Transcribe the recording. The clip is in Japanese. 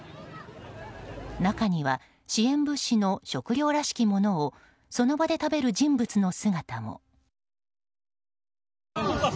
中には、支援物資の食料らしきものをその場で食べる人物の姿も。